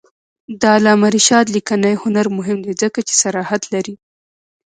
د علامه رشاد لیکنی هنر مهم دی ځکه چې صراحت لري.